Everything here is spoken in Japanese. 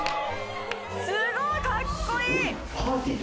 すごいかっこいい！